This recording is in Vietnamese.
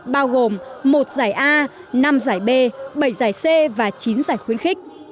bao gồm một giải a năm giải b bảy giải c và chín giải khuyến khích